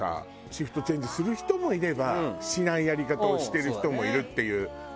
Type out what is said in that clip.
シフトチェンジする人もいればしないやり方をしてる人もいるっていうものじゃん。